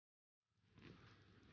setelah gua udah masuk